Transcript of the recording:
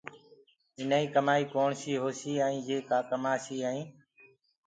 اينآئيٚ ڪمآئيٚ ڪوڻسيٚ هوسيٚ يي ڪآ کآسي ائينٚ